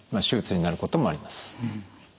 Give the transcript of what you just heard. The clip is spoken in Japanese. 手術になることもあります。